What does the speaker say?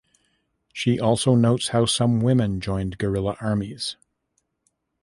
She also notes how some women joined guerilla armies.